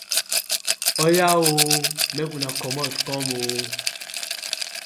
Oya ooo!! Mek una komot kom oo!